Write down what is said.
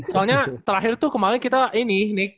soalnya terakhir tuh kemarin kita ini nih